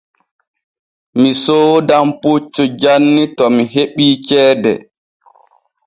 Mi soodan puccu janni to mi heɓii ceede.